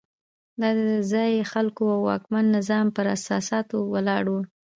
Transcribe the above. دا د ځايي خلکو او واکمن نظام پر اساساتو ولاړ وو.